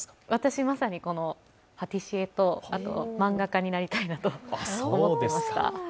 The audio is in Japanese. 私、まさにパティシエと漫画家になりたいなと思っていました。